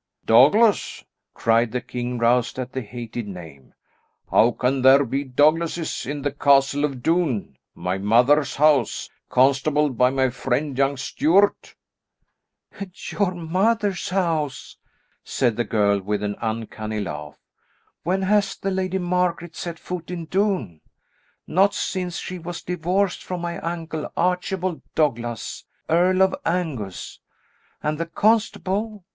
"Douglas!" cried the king roused at the hated name. "How can there be Douglases in the Castle of Doune; my mother's house, constabled by my friend, young Stuart." "Your mother's house?" said the girl with an uncanny laugh. "When has the Lady Margaret set foot in Doune? Not since she was divorced from my uncle, Archibald Douglas, Earl of Angus! And the constable?